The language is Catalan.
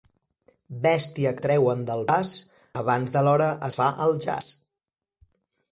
Bèstia que treuen del pas abans de l'hora es fa al jaç.